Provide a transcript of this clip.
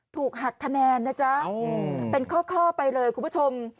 ถูกหักคะแนนนะจ๊ะเป็นข้อไปเลยคุณผู้ชม